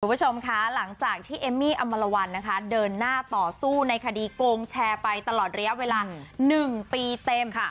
คุณผู้ชมค่ะหลังจากที่เอมมี่อมลวันนะคะเดินหน้าต่อสู้ในคดีโกงแชร์ไปตลอดระยะเวลา๑ปีเต็ม